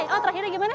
oh terakhirnya gimana